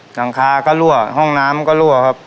หลังคาก็รั่วห้องน้ำก็รั่วครับ